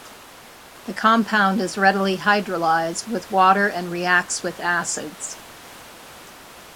The compound is readily hydrolyzed with water and reacts with acids.